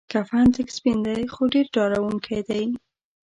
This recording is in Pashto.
کفن تک سپین دی خو ډیر ډارونکی دی.